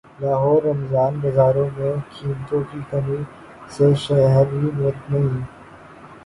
لاہور رمضان بازاروں میں قیمتوں کی کمی سے شہری مطمئین